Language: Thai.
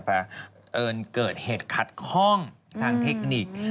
อาจจะเกิดเหตุขัดคล่องทางเทคนิค